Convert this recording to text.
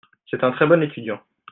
C'est un très bon étudiant.